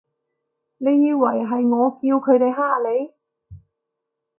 你以為係我叫佢哋㗇你？